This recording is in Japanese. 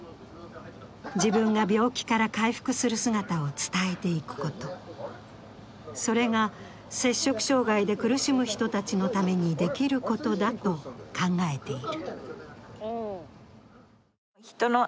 自分が病気から回復する姿を伝えていくこと、それが摂食障害で苦しむ人たちのためにできることだと考えている。